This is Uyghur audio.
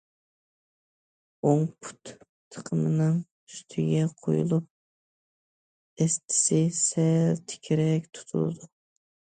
ئوڭ پۇت تېقىمىنىڭ ئۈستىگە قويۇلۇپ، دەستىسى سەل تىكرەك تۇتۇلىدۇ.